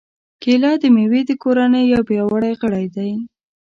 کېله د مېوې د کورنۍ یو پیاوړی غړی دی.